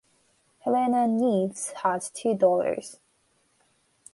Helena Neves has two daughters.